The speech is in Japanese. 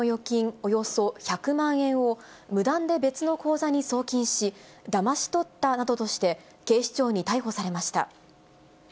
およそ１００万円を、無断で別の口座に送金し、だまし取ったなどとして、警視庁に逮捕されました。